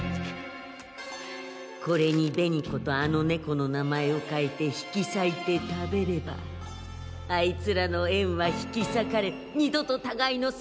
これに紅子とあの猫の名前を書いて引きさいて食べればあいつらの縁は引きさかれ二度とたがいの姿も見えなくなる。